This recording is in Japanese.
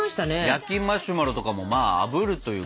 焼きマシュマロとかもまああぶるというか。